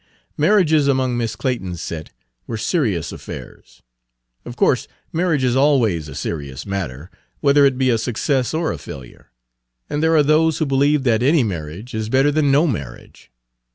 Marriages among Miss Clayton's set were serious affairs. Of course marriage is always a serious matter, whether it be a success or a failure, and there are those who believe that any marriage is better than no marriage.